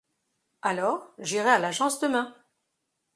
Alors, j'irai à l'agence demain.